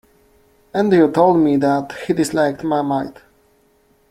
Andrew told me that he disliked Marmite.